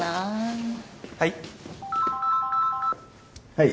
はい。